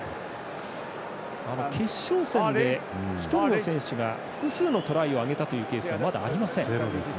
決勝戦で１人の選手が複数のトライを上げたというケースはまだありません。